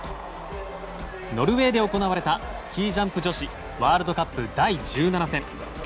ノルウェーで行われたスキージャンプ女子ワールドカップ第１７戦。